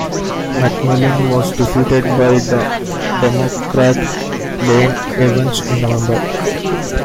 McMillan was defeated by Democrat Lane Evans in November.